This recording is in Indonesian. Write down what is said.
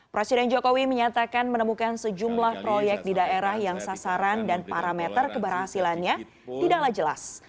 presiden jokowi menyatakan menemukan sejumlah proyek di daerah yang sasaran dan parameter keberhasilannya tidaklah jelas